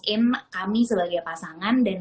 in kami sebagai pasangan dan